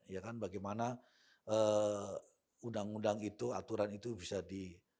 ya kan bagaimana undang undang itu aturan itu bisa di